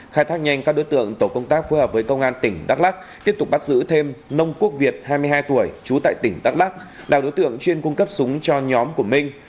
khai thác nhanh các đối tượng tổ công tác phối hợp với công an tỉnh đắk lắc tiếp tục bắt giữ thêm nông quốc việt hai mươi hai tuổi trú tại tỉnh đắk lắc là đối tượng chuyên cung cấp súng cho nhóm của minh